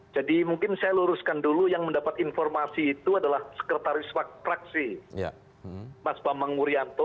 jadi mungkin saya luruskan dulu yang mendapat informasi itu adalah sekretaris fraksi mas pamang murianto